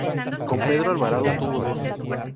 Con Pedro Alvarado tuvo dos.